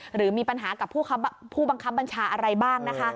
หรือมีปัญหากับผู้บังคับบัญชาอะไรบ้างนะคะ